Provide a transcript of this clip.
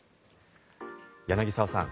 柳澤さん